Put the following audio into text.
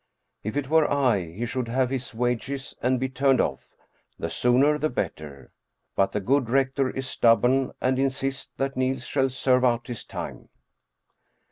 If it were I, he should have his wages and be turned off, the sooner the better. But the good rector is stubborn and insists that Niels shall serve out his time.